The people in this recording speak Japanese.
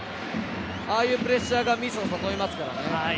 ああいうプレッシャーがミスを誘いますからね。